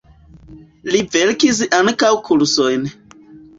Li verkis ankaŭ kursojn.